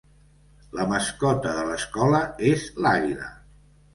La mascota de l'escola és l'àguila.